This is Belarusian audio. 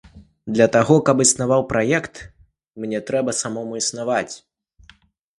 Для таго, каб існаваў праект, мне трэба самому існаваць.